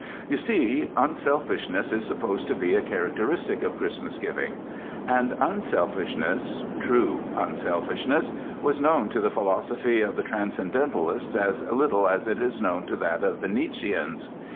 You see, unselfishness is supposed to be a char acteristic of Christmas giving. And unselfishness, true unselfishness, was known to the philosophy of the Transcendentalists as little as it is known to that of the Nietzscheans.